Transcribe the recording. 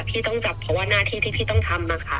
พี่ต้องจับเพราะว่าหน้าที่ที่พี่ต้องทำมาค่ะ